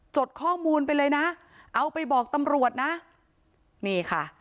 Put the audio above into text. ดข้อมูลไปเลยนะเอาไปบอกตำรวจนะนี่ค่ะ